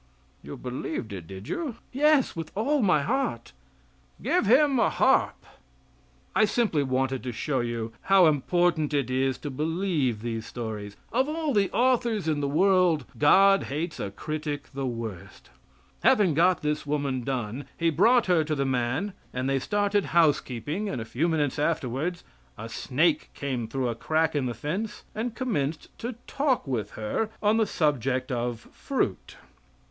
"You believed it, did you?" "Yes, with all my heart." "Give him a harp." I simply wanted to show you how important it is to believe these stories. Of all the authors in the world God hates a critic the worst. Having got this woman done he brought her to the man, and they started house keeping, and a few minutes afterward a snake came through a crack in the fence and commenced to talk with her on the subject of fruit.